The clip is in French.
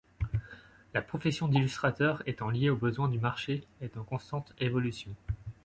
La profession d'illustrateur, étant liée aux besoins du marché, est en constante évolution.